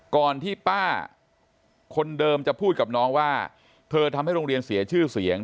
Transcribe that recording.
ก่อนที่ป้าคนเดิมจะพูดกับน้องว่าเธอทำให้โรงเรียนเสียชื่อเสียง